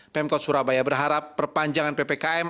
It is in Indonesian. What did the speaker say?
pemkot surabaya berharap perpanjangan ppkm